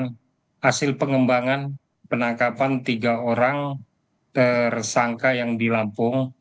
dan hasil pengembangan penangkapan tiga orang tersangka yang dilampung